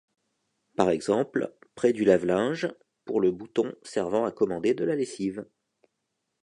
Par exemple, près du lave-linge pour le bouton servant à commander de la lessive.